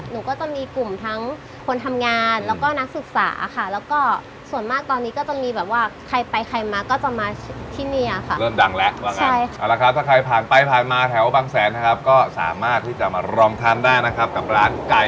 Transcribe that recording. หนูก็จะมีกลุ่มทั้งคนทำงานแล้วก็นักศึกษาค่ะ